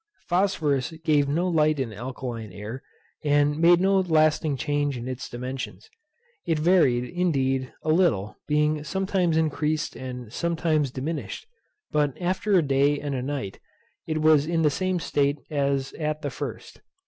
Phosphorus gave no light in alkaline air, and made no lasting change in its dimensions. It varied, indeed, a little, being sometimes increased and sometimes diminished, but after a day and a night, it was in the same state as at the first.